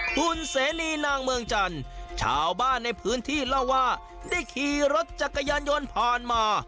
คุณเสนีนางเมืองจันทร์ชาวบ้านในพื้นที่เล่าว่าได้ขี่รถจักรยานยนต์ผ่านมา